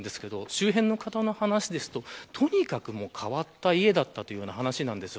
周辺の方の話ですととにかく変わった家だったという話です。